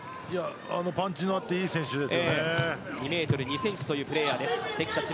パンチがあっていい選手ですよね。